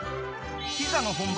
ピザの本場